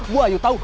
gua ayu tau